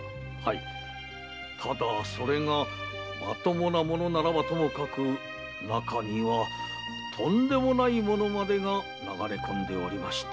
ただそれがまともな物ならばともかく中にはとんでもない物までが流れ込んでおりまして。